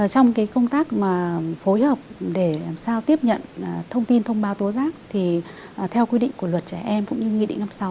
trong công tác mà phối hợp để làm sao tiếp nhận thông tin thông báo tố giác thì theo quy định của luật trẻ em cũng như nghị định năm sáu